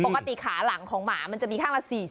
ขาหลังของหมามันจะมีข้างละ๔๐